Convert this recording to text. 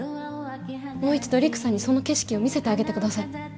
もう一度陸さんにその景色を見せてあげて下さい。